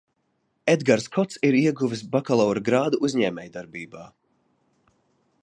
Edgars Kots ir ieguvis bakalaura grādu uzņēmējdarbībā.